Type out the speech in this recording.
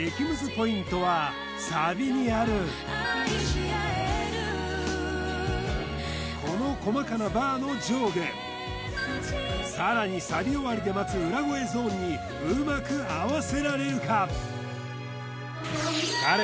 ポイントはサビにあるこの細かなバーの上下さらにサビ終わりで待つ裏声ゾーンにうまく合わせられるか？